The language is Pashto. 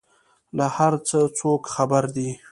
له هر څه څوک خبر دي؟